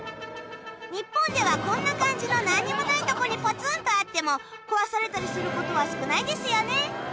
日本ではこんな感じの何にもないとこにぽつんとあっても壊されたりすることは少ないですよね。